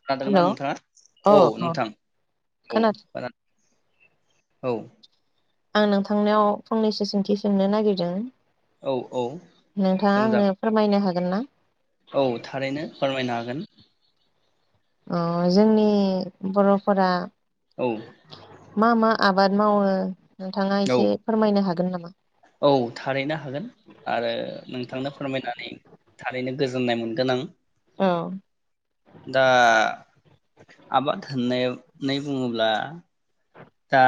खोनादोंना हेलौ नोंथाङा औ नोंथां औ खोनादों खोनादों औ आं नोंथांनियाव फंनैसो सोंथि सोंनो नागिरदों औ औ नोंथाङा आंनो सोंजागोन फोरमायनो हाग गोन्ना औ थारैनो फोरमायनो हागोन अ जोंनि बरफोरा। औ मा मा आबाद मावो? नोंथाङा औ एसे फोरमायनो हागोन नामा औ थारैनो हागोन आरो नोंथांनो फोरमायनानै थारैनो। गोजोननाय मोनगोन आं। औ दा आबाद होनाय बुङोब्ला। दा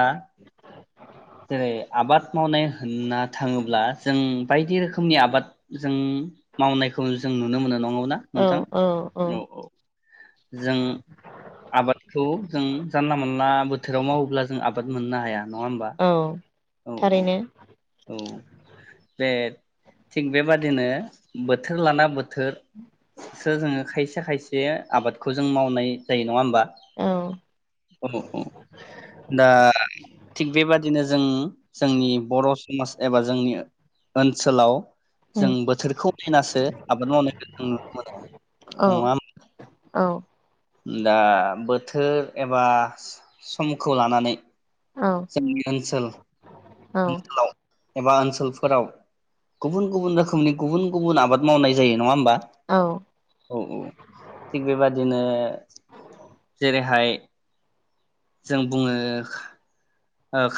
जेरै आबाद मावनाय होनना थाङोब्ला जों बायदि रोखोमनि आबाद जों मावनायखौ जों नुनो मोनो नङा औ औ औ। जों आबादखौ जों जानला मोनानला बोथोराव मावोब्ला जों आबाद मोननो हाया। नङा होमबा? औ औ औ थारैनो। औ बे थिग बेबादिनो बोथोर लाना बो बोथोर सो जोङो खायसे खायसे आबादखौ जों मावनाय जायो नङा होमबा? औ औ औ दा थिग बेबादिनो जों जोंनि बर' समाज एबा जोंनि ओनसोलाव जों उम बोथोरखौ नायनासो आबाद मावनायखौ जों नुनो मोनो नङा औ होमबा? औ दा बोथोर एबा समखौ लानानै औ जोंनि ओनसोल औ ओनसोलाव एबा ओनसोलफोराव गुबुन गुबुन रोखोमनि गुबुन गुबुन आबाद मावनाय जायो नङा होमबा? औ औ थिग बेबादिनो जेरैहाय जों बुङो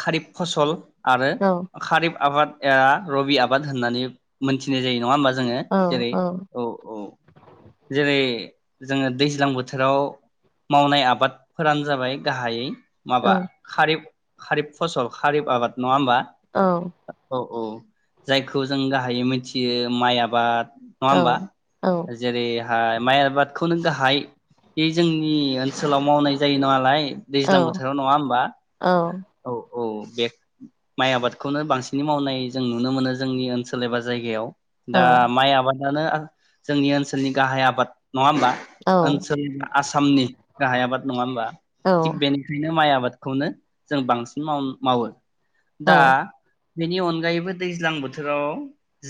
खारिफ फसल आरो औ खारिब आबाद ए रबि आबाद होननानै मोनथिनाय जायो। नङा होमबा जोङो औ जेरै औ औ जेरै जोङो दैज्लां बोथोराव मावनाय आबादफोरानो जाबाय गाहायै औ माबा खारिप खारिब फसल खारिफ आबाद नङा होमबा? औ औ औ औ। जायखौ जों गाहायै मिथियो माइ आबाद नङा औ होमबा? जेरैहाय माइ आबादखौ नों गाहाय बे जोंनि ओनसोलाव मावनाय जायो नालाय दैज्लां बोथोराव नङा होमबा? औ औ बे माइ आबादखौनो बांसिनै मावनाय जों नुनो मोनो जोंनि ओनसोल एबा जायगायाव दा माइ आबाद दाना आह जोंनि ओनसोलनि गाहाय आबाद नङा होमबा? ओनसोलनि आसामनि गाहाय आबाद नङा होमबा? थिग बेनिखायनो माइ आबाद खौनो जों बांसिन माव मावो दा बेनि अनगायैबो दैज्लां बोथोराव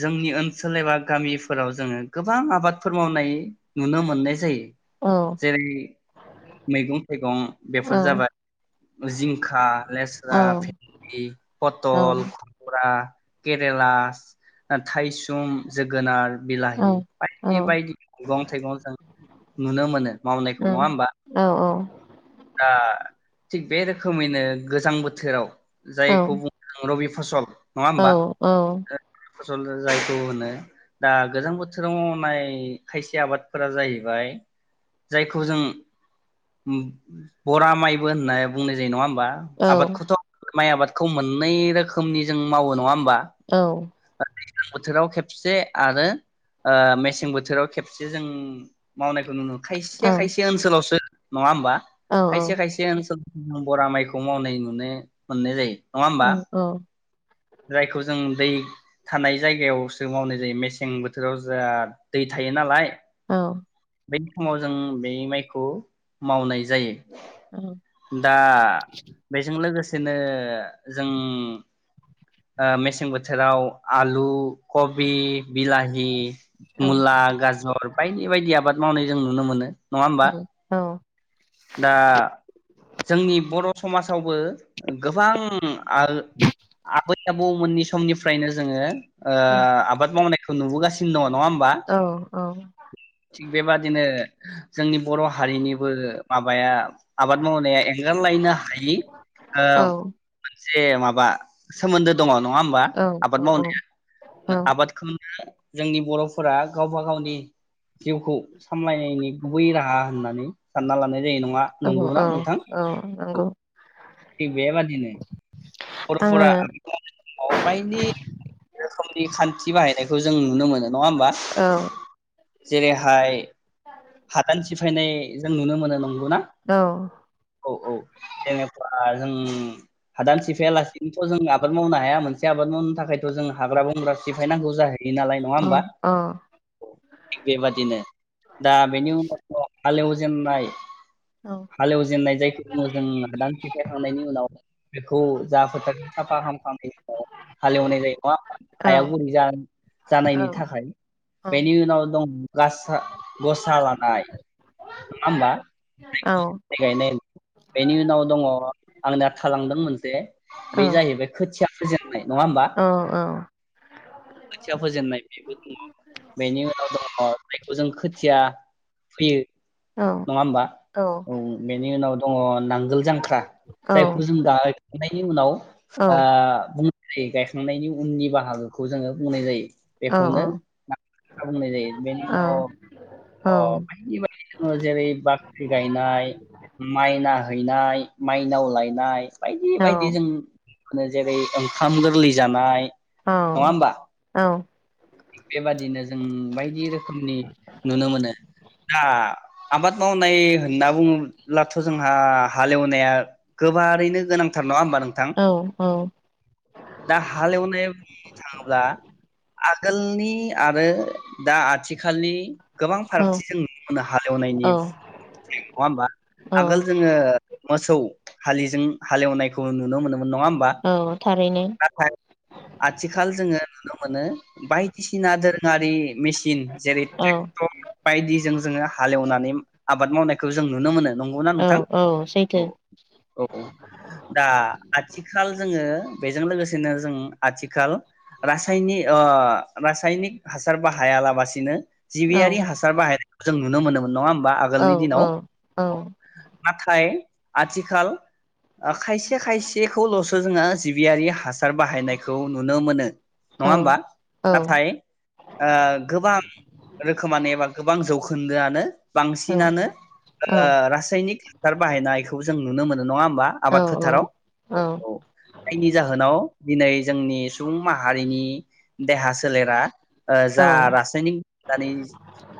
जोंनि ओनसोल एबा गामिफोराव जोंङो गोबां आबादफोर मावनाय नुनो मोननाय जायो। औ जेरै मैगं थाइगं औ बेफोर औ जाबाय जिं आह औ लेस्रा, फिन्दि, औ पथल आह केरेलास ओ थायसुम जोगोनार औ बिलाहि औ बायदि बायदि मैगं थाइगं जों नुनो मोनो मावनायखौ नंङा होमबा औ दा थि बे रोखोम रोखोमैनो गोजां बोथोराव औ औ जायखौ बुंङो रबि फसल नंङा औ होमबा? फसल जायखौ होनो दा गोजां बोथोराव मावनाय खायसे आबादफोरा जायैबाय जायखौ जों बरा माइबो होनना बुंनाय जायो नंङा होम बा औ आबाद खौथ माइ आबादखौ मोननै रोखोमनि जों मावो नंङा होम औ दैज्लां बोथोराव खेबसे आरो ओ मेसें बोथोराव खेबसे जों मावनायखौ नुनो मोन खायसे खायसे ओनसोलावसो नंङा होमबा औ खायसे खायसे ओनसोल बरा माइखौ मावनाय नुनो मोननाय जायो। नङा औ होमबा औ जायखौ जों दै थानाय जायगायावसो मावनाय जायो मेसें बोथोराव जा दै थायो नालाय औ बै समाव जों बे माइखौ मावनाय जायो। दा बेजों लोगोसे बिदिनो जों ओ मेसें बोथोराव आलु, कबि, बिलाहि मुला, गाजर बाय बेबायदि आबाद मावनाय जों नुनो मोनो। औ औ दा जोंनि बर'समासावबो गोबां आरो आबै, आबौ मोननि स समनिफ्रायनो जोंङो ओ आबाद मावनाय नुबोगासिनो दं नङा होमबा थिग बेबादिनो जोंनि बर' हारिनिबो माबाया आबाद मावनाया एंगारलायनो हायि मोनसे माबा सोमोन्दो दङ नङा होमबा आबाद औ औ मावनाया आबादखौनो जोंनि बर'फोरा गावबा गावनि जिउखौ सामलायनायनि गुबै राहा होननानै सानना लानाय जे न नंगौना नोंथां औ नंगौ थिग बेबादिनो आङो न'खरफोरा बायदि खामानि खान्थि बाहायनायखौ जों नुनो मोनो नङा होमबा औ जेरैहाय हादान सिफायनाय जों नुनो मोनो नंगौना अ औ औ औ जेनेबा जों हादान सिफ बिदिथ जों आबाद मावनो हाया मोनसे आबाद मावनो थाखायथ जों हाग्रा बंग्रा सिफाय नांगौ जायो बिदिनो नालाय नङा औ होमबा औ औ थिग बे बायदिनो दा बिनि उनाव हालेव जेननाय हालेव जेननाय जायखौ मोजां हादान सिफायखांनायनि उनाव बेखौ जा फोथार साफा फाहाम खालामनाय हालेवनाय जायो नङा होनबा औ हाया गुरै जानायनि औ थाखाय बेनि उनाव दं गासा गसा लानाय नङा होमबा गायनाय बेनि उनाव दङ आंनिया थालांदों मोनसे बे जाहैबाय खोथिया फोजेननाय नङा होमबा खोथिया फोजेननाय बेबो दङ बेनि उनाव दङ माइखौ जों खोथिया फैयो नङा होमबा औ बिनि उनाव दङ नांगोल जांख्रा जायखौ जों जानाय बिनि उनाव ओ फुंनि गायखांनाय उननि बा बाहागोखौ जोङो बुंनाय जायो बेखौनो साब बेनि औ उनाव औ अ बायदि बायदि जोङो जेरै बाख्रि गायनाय माइना हाहैनाय माइनाव लायनाय बायदि औ बायदि जों होनो जेरै- ओंखाम गोरलै जानाय औ नङा होमबा औ बेबादिनो जों बायदि रोखोमनि नुनो मोनो दा आबाद मावनाय होनना बुङोब्लाथ' जोंहा हालेवनाया गोबारैनो गोनांथार नङा होमबा नों नोंथां औ दा हालेवनाय बुंनो थाङोब्ला आगोलनि आरो दा आथिखालनि गोबां औ फारागथि जों नु मोननो हालेवनायनि नङा होमबा औ आगोल जोङो मोसौ हालिजों हालेवनायखौ नुनो मोनोमोन नङा होमबा औ थारैनो नाथाय आथिखाल जोङो नुनो मोनो। बायदिसिना दोरोङारि मेसिन जेरै औ ट्रेक्टर बायदिजों जोङो हालेवनानै आबाद मावनायखौ जों नुनो मोनो नंगौ ना औ नोंथां सैथो औ औ दा आथिखाल जोङो बेजों लोगोसेनो जों आथिखाल रासायनि ओ रासायनिक हासार बाहायालाबासिनो औ जिबियारि हासार बाहाय जों नुनो मोनोमोन नङा होमबा औ आगोलनि औ दिनाव औ नाथाय आथिखाल ओ खायसे खायसेखौल'सो जोङो जिबियारि हासार बाहायनायखौ नुनो मोनो। औ नङा होमबा नाथाय ओ गोबां रोखोमानो एबा गोबां जौखोन्दोआनो औ बांसिनानो ओ रासायनिक हासार बाहायनायखौ जों नुनो मो नङा होमबा आबाद फोथाराव औ जायनि जाहोनाव दिनै जोंनि सुबुं माहारिनि सोलेरा ओ जा औ रासायनिक दानि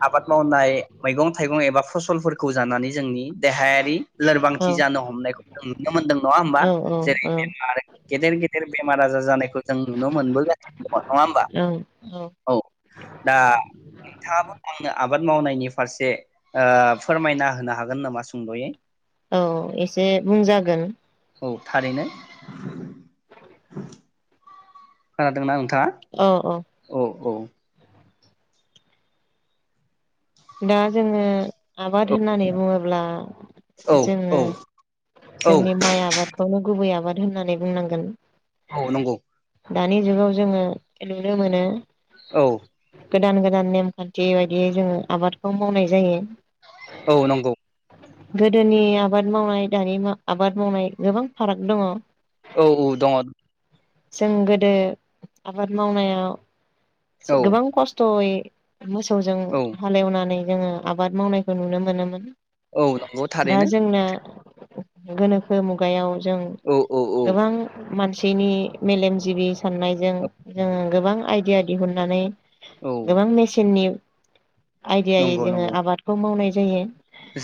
आबाद मावनाय मैगं थाइगं एबा फसलफोरखौ जानानै जोंनि देहायारि औ लोरबांथि जानो हमनायखौ जों नुनो मोनदों नङा होमबा जेरै- बेमार गेदेर गेदेर बेमार आजार जानायखौ जों नुनो मोनबोगासिनो दङ नङा होमबा? औ दा नोंथाङाबो आंनो आबाद मावनायनि फारसे ओ फोरमायना होनो हागोन नामा सुंदयै? औ एसे बुंजागोन औ थारैनो। खोनादों ना ओं अ अ औ औ दा जोंङो आबाद औ होननानै बुङोब्ला औ जोंङो औ औ जोंनि माइ आबादखौनो गुबै आबाद होननानै बुंनांगोन औ नंगौ दानि जुगाव जोंङो नुनो मोनो औ [unintelligible] गोदान गोदान नेमखान्थि बायदियै जोंङो आबादखौ मावनाय जायो औ नंगौ गोदोनि आबाद मावनाय दानि मा-आबाद मावनाय गोबां फाराग दङ औ औ दङ जों गोदो आबाद मावनायाव औ गोबां खस्थयै मोसौजों औ हालेवनानै जोंङो आबाद मावनायखौ नुनो मोनोमोन औ नंगौ दा थारैनो जोंना गोनोखो मुगायाव जों औ औ औ गोबां मान सिनि मेलेमजिबि साननायजों औ जोंङो गोबां आय दिया दिहुननानै औ गोबां मेचिननि आयदियायै नंगौ जोंङो नंगौ आबादखौ मावनाय जायो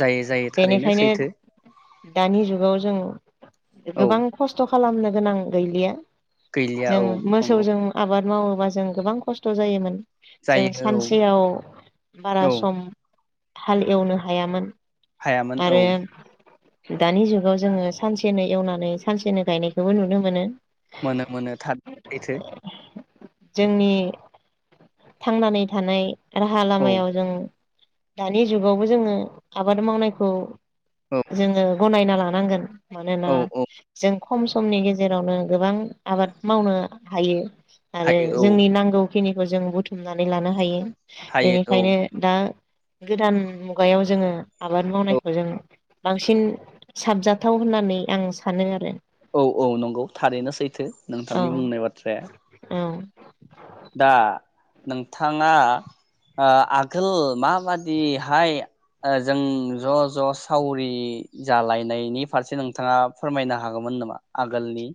जायो जायो थारैनो बेनिखायनो सैथो दानि जुगाव जों औ गोबां खस्थ खालामनो गोनां गैलिया गैलिया जों औ नंगौ मोसौजों आबाद मावोबा जों गोबां खस्थ जायोमोन। जों जायो सानसेयाव औ बारा सम हाल एवनो हायामोन। हायामोन औ। आरो दानि जुगाव जोङो सानसेनो एवनानै सानसेनो गायनायखौबो नुनो मोनो। मोनो मोनो थाद सैथो। जोंनि थांनानै थानाय राहा औ लामायाव जों दानि जुगावबो जोङो आबाद मावनायखौ औ जोङो गनायना लानो नांगोन। मानोना औ औ जों खम समनि गेजेरावनो गोबां आबाद मावनो हायो। आरो हायो औ जोंनि नांगौ खिनिखौ जों बुथु नानै लानो हायो। हायो औ बेनिखायनो दा गोदान मुगायाव जोङो आबाद औ मावनायखौ जों बांसिन साबजाथाव होननानै आं सानो आरो। औ औ नंगौ थारैनो सैथो औ नोंथांनि बुंनाय बाथ्राया। औ दा नोंथाङा ओ आगोल माबादिहाय ओ जों ज' ज' सावरि जालायनायनि फारसे नोंथाङा फोरमायनो हागौमोन नामा? आगोलनि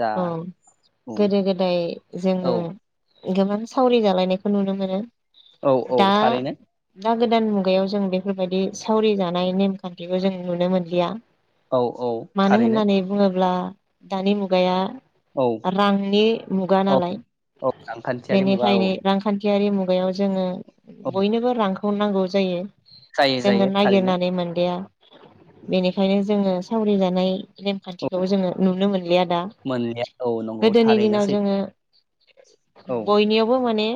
जा औ गोदो गोदाय जोङो औ गोबां सावरि जालायनायखौ नुनो मोनो। औ औ दा थारैनो। दा गोदान मुगायाव जों बेफोरबायदि सावरि जानाय नेमखान्थिखौ जों नुनो मोनलिया। औ औ मानो थारैनो होननानै बुङोब्ला दानि मुगाया औ रांनि मुगा औ नालाय औ रांखान्थियारि मुगा औ बेनिखायनो रांखान्थि थियारि मुगायाव जोङो औ बयनोबो रां खौ नांगौ जायो। जायो जोङो जायो थारैनो नागिरनानै मोनदिया बेनिखायनो जोङो सावरि जानाय औ नेमखान्थिखौबो जोङो नुनो मोनलिया दा मोनलिया औ नंगौ गोदोनि थारैनो दिनाव जोङो सैथो बयनियावबो माने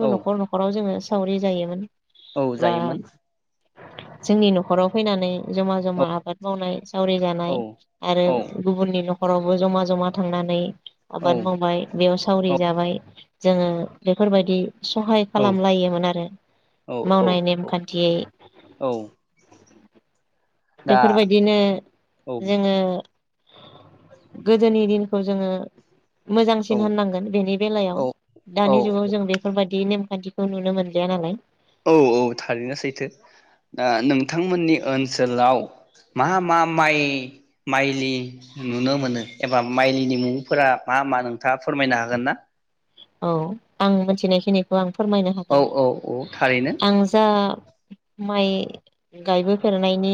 औ नख'र नख'राव जोङो सावरि जायोमोन। औ बा जायोमोन। जोंनि नख'राव फैनानै जमा औ जमा आबाद मावनाय सावरि औ जानाय आरो औ गुबुननि नखरावबो जमा जमा थांनानै औ आबाद मावबाय बेयाव सावरि जाबाय। जोङो बेफोरबायदि सहाय औ खालामलायोमोन आरो औ मावनाय औ नेमखान्थियै औ दा बेफोरबायदिनो औ जोङो गोदोनि दिनखौ जोङो औ मोजांसिन होननांगोन बेनि औ बेलायाव औ दानि जुगाव जों बेफोरबादि नेम खान्थिखौ नुनो मोनलिया नालाय। औ औ, थारैनो सैथो दा नोंथांमोननि ओनसोलाव मा मा माइ माइलि नुनो मोनो एबा माइलिनि मुंफोरा मा मा नोंथाङा फोरमायनो हागोन ना? औ, आं मोन्थिनायखिनिखौ आं फोरमायनो औ हागोन औ औ थारैनो आं जा माइ गायबोफेरनायनि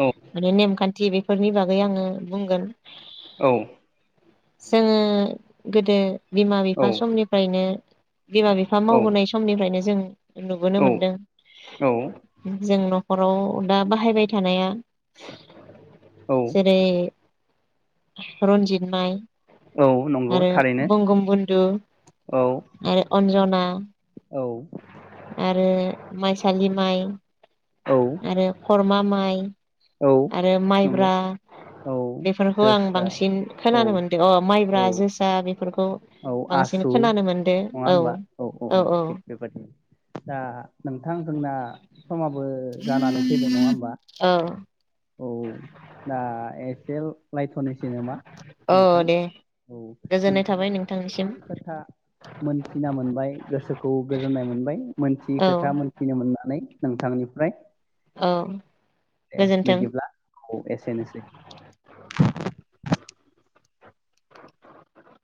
औ माने नेमखान थि बेफोरनि बागै आङो बुंगोन। औ जोङो गोदो बिमा औ बिफा समनिफ्रायनो बिमा बिफा मावबोनाय समनिफ्रायनो जों नुबोनो औ मोनदों औ जोंन खराव दा बाहायबाय थानाया औ जेरै रन्जित माइ औ नंगौ आरो थारैनो बंगम बन्दु औ आरो अनजन आ औ आरो माइसालि माइ औ आरो खरमा माइ औ आरो नंगौ माइब्रा औ बेफोरखौ आं जोसा बांसिन औ खोनानो मोन अ माइब्रा औ जोसा बे औ आसु नङा होमबा औ औ औ थिग बेबादिनो दा नोंथां जोंना समाबो जानानै फैबाय नङा होमबा? औ औ दा एसे लायथ'नोस सै नामा औ नोंथां दे औ गोजोननाय थाबाय नोंथांनिफ्राय नोंथांनिसिम गोबां खोथा मोनथिना मोनबाय गोसोखौ गोजोननाय मोनबाय मोनथियै औ खोथा मोनथिनो मोननानै। नोंथांनिफ्राय। औ दे गोजोन बिदिब्ला अ एसेनोसै